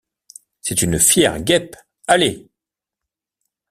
C’est une fière guêpe, allez!